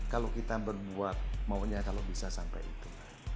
kalau kita berbuat maunya kalau bisa sampai itu